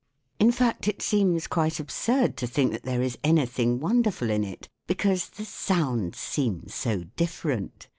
In fact, it seems quite absurd to think that there is anything wonderful in it, because the " sounds seem so different."